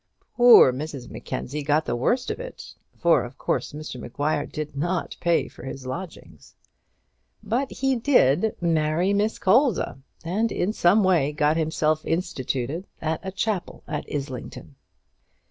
Poor Mrs Mackenzie got the worst of it; for of course Mr Maguire did not pay for his lodgings. But he did marry Miss Colza, and in some way got himself instituted to a chapel at Islington.